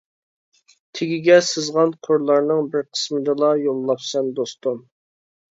تېگىگە سىزغان قۇرلارنىڭ بىر قىسمىنىلا يوللاپسەن دوستۇم!